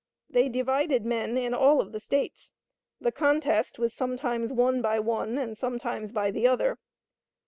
They divided men in all of the States. The contest was sometimes won by one, and sometimes by the other.